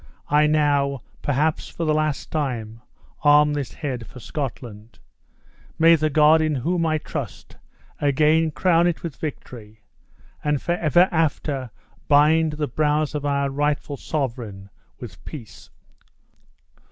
I now, perhaps for the last time, arm this head for Scotland. May the God in whom I trust again crown it with victory, and forever after bind the brows of our rightful sovereign with peace!"